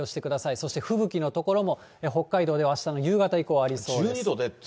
そして吹雪の所も北海道ではあしたの夕方以降、ありそうです。